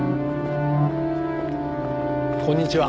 こんにちは。